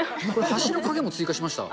橋の影も追加しました？